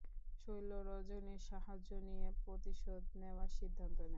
শৈল রজনীর সাহায্য নিয়ে প্রতিশোধ নেওয়ার সিদ্ধান্ত নেয়।